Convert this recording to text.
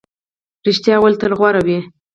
رښتیا ویل تل غوره وي.